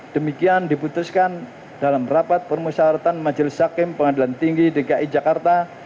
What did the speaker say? demikian diputuskan dalam rapat permusyawaratan majelis hakim pengadilan tinggi dki jakarta